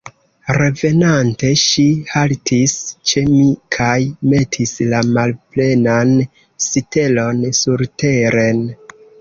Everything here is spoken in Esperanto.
Revenante, ŝi haltis ĉe mi kaj metis la malplenan sitelon surteren.